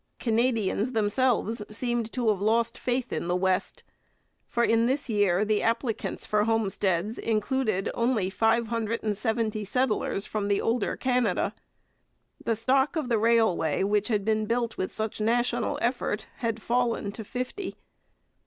Canadians themselves seemed to have lost faith in the West, for in this year the applicants for homesteads included only five hundred and seventy settlers from the older Canada. The stock of the railway which had been built with such national effort had fallen to fifty.